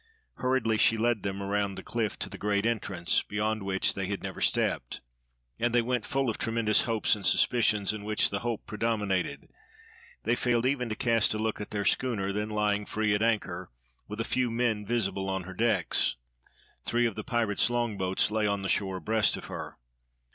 Hurriedly she led them around the cliff to the great entrance, beyond which they had never stepped. And they went full of tremendous hopes and suspicions, in which the hope predominated; they failed even to cast a look at their schooner, then lying free at anchor, with a few men visible on her decks. Three of the pirates' long boats lay on the shore abreast of her.